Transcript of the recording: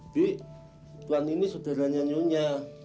tuan ini saudaranya nyonya